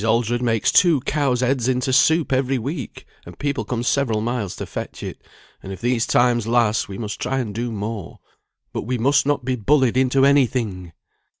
Aldred makes two cows' heads into soup every week, and people come several miles to fetch it; and if these times last we must try and do more. But we must not be bullied into any thing!"